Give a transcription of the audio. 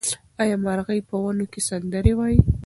آیا مرغۍ په ونو کې سندرې وايي؟